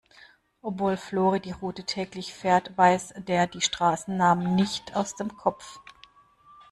Obwohl Flori die Route täglich fährt, weiß der die Straßennamen nicht aus dem Kopf.